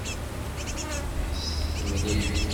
Ḥesset mliḥ.